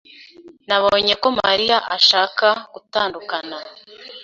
Nabonye ko Mariya ashaka gutandukana.